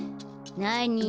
なに？